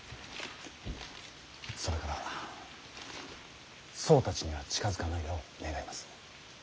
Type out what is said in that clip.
それから僧たちには近づかないよう願います。